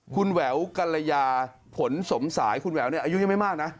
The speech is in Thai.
คุณแหววกัลยาผลสมสายคุณแหววเนี่ยอายุยังไม่มากนะ